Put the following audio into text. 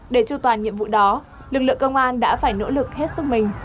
để tru toàn nhiệm vụ đó lực lượng công an đã phải nỗ lực hết sức mình